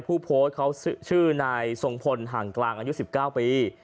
ผู้โพสต์เขาชื่อนายทรงพลห่างกลางอายุ๑๙ปี